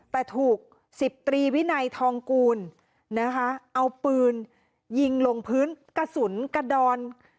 แต่ถูก๑๐ตรีวินัยทองกูลนะคะเอาปืนยิงลงพื้นกระสุนกระดอน